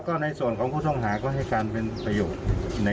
ก็ในส่วนของผู้ต้องหาก็ให้การเป็นประโยชน์